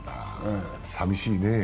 さみしいねぇ。